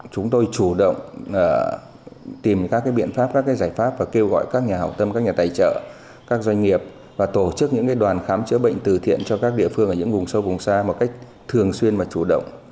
chúng tôi chủ động tìm các biện pháp các giải pháp và kêu gọi các nhà hảo tâm các nhà tài trợ các doanh nghiệp và tổ chức những đoàn khám chữa bệnh từ thiện cho các địa phương ở những vùng sâu vùng xa một cách thường xuyên và chủ động